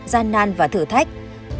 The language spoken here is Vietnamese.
gian nan và thử thách